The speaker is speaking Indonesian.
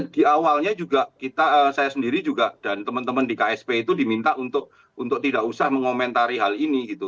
di awalnya juga kita saya sendiri juga dan teman teman di ksp itu diminta untuk tidak usah mengomentari hal ini gitu